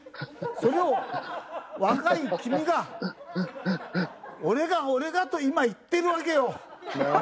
それを若い君が「俺が俺が」と今言ってるわけよ！